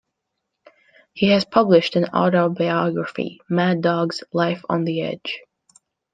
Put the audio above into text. He has published an autobiography, "Mad Dogs: Life on the Edge".